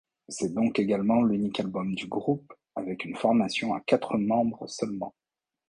C'est donc également l'unique album du groupe avec une formation à quatre membres seulement.